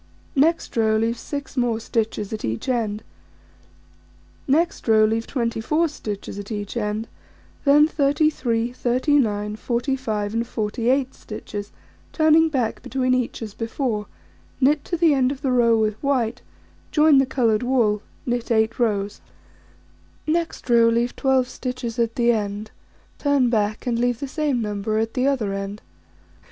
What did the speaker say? Next row: Leave 6 more stitches at each end. Next row: Leave 24 stitches at each end, then 33, 39, 45, and 48 stitches, turning back between each as before, knit to the end of the row with white, join the coloured wool, knit 8 rows. Next row: Leave 12 stitches at the end, turn back, and leave the same number at the other end.